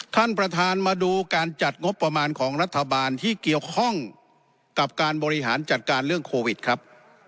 ท่านประธานมาดูการจัดงบประมาณของรัฐบาลที่เกี่ยวข้องกับการบริหารจัดการเรื่องโควิดครับ